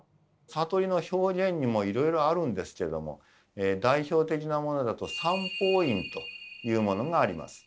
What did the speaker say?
悟りの表現にもいろいろあるんですけども代表的なものだと「三法印」というものがあります。